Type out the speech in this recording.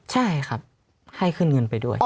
ใช่ครับให้ขึ้นเงินไปด้วย